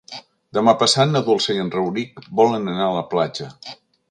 Demà passat na Dolça i en Rauric volen anar a la platja.